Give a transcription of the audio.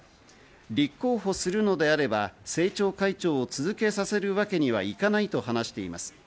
立候補するのであれば、政調会長続けさせるわけにはいかないと話しています。